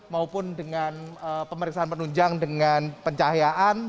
maupun dengan pemeriksaan penunjang dengan pencahayaan